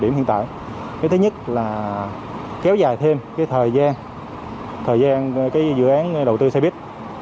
điểm hiện tại cái thứ nhất là kéo dài thêm cái thời gian thời gian cái dự án đầu tư xe buýt